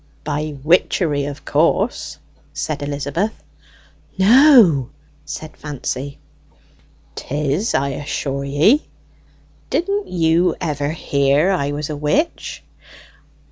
"By witchery, of course!" said Elizabeth. "No!" said Fancy. "'Tis, I assure ye. Didn't you ever hear I was a witch?"